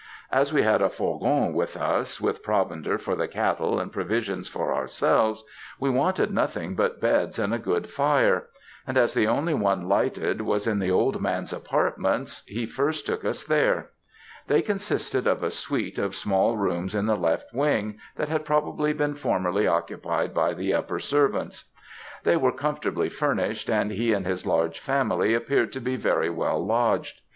As we had a fourgon with us, with provender for the cattle and provisions for ourselves, we wanted nothing but beds and a good fire; and as the only one lighted was in the old man's apartments, he first took us there. They consisted of a suite of small rooms in the left wing, that had probably been formerly occupied by the upper servants. They were comfortably furnished, and he and his large family appeared to be very well lodged.